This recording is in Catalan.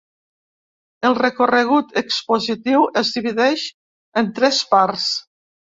El recorregut expositiu es divideix en tres parts.